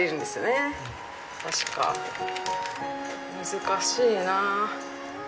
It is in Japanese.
難しいなぁ。